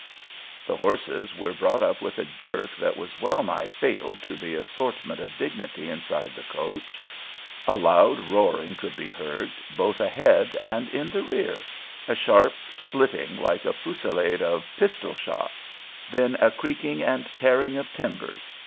The horses were brought up with a jerk that was well nigh fatal to the assortment of dignity inside the coach. A loud roaring could be heard, both ahead and in the rear, a sharp splitting like a fusillade of pistol shots, then a creaking and tearing of timbers.